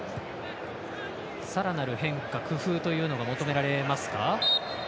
さらなる変化、工夫というのが求められますか？